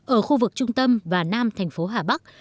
ở khu vực trung tâm và nam thành phố hà bắc